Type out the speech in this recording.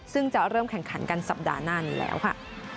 ซึ่งจะเริ่มแข่งขันกันสัปดาห์หน้านี้แล้วค่ะ